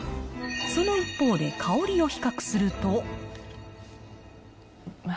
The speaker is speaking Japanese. その一方で香りを比較すると。